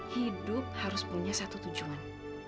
hidup harus punya satu tujuan